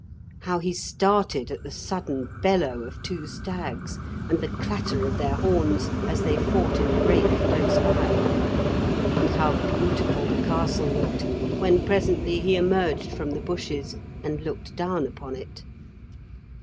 How he started at the sudden bellow of two stags, and the clatter of their horns as they fought in the brake close by, and how beautiful the castle looked when presently he emerged from the bushes and looked down upon it!